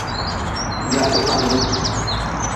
Gwaatefanabe.